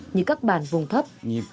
như các bản vùng thấp